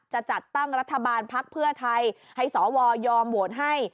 จะจัดตั้งรัฐบาลพักเพื่อไทยให้สวยอมโหวตให้